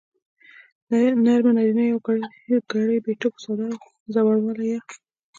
نرمه نارينه يوگړې بې ټکو ساده او زورواله يا